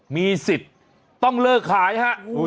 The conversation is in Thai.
มีสิทธิ์ต้องเลิกขายฮะ